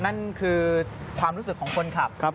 นั่นคือความรู้สึกของคนขับ